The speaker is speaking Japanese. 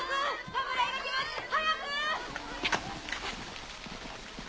侍が来ます早く！